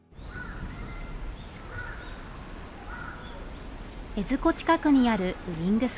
江津湖近くにあるウイングスクール。